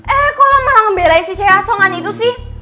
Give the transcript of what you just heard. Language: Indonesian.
eh kok lo malah ngebelain si cewek asongan itu sih